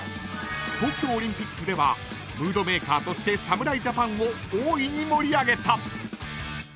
［東京オリンピックではムードメーカーとして侍ジャパンを大いに盛り上げた］